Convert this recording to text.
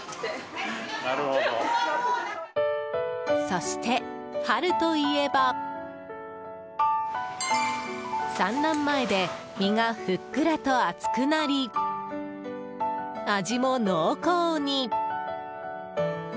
そして、春といえば産卵前で身がふっくらと厚くなり味も濃厚に。